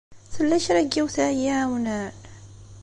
Tella kra n yiwet ara yi-iɛawnen?